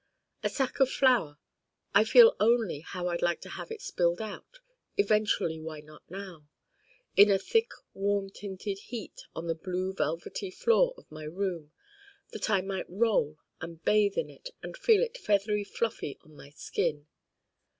A sack of Flour I feel only how I'd like to have it spilled out eventually why not now in a thick warm tinted heap on the blue velvety floor of my room that I might roll and bathe in it and feel it feathery fluffy on my skin.